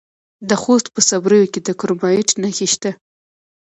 د خوست په صبریو کې د کرومایټ نښې شته.